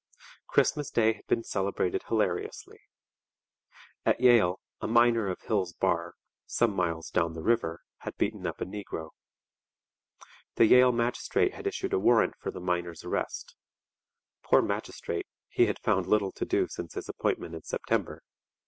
Christmas Day had been celebrated hilariously. At Yale a miner of Hill's Bar, some miles down the river, had beaten up a negro. The Yale magistrate had issued a warrant for the miner's arrest poor magistrate, he had found little to do since his appointment in September!